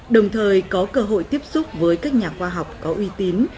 đồng thời có cơ hội tiếp xúc với các nhà khoa học có uy tín